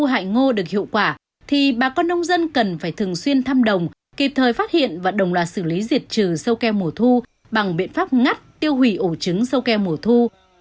bên cạnh đó bà con nông dân cần phải thường xuyên thăm đồng kịp thời phát hiện và đồng loạt xử lý diệt trừ sâu keo mổ thu bằng biện pháp ngắt tiêu hủy ổ trứng sâu keo mổ thu